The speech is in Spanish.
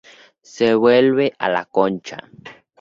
Se vuelve a la Concha.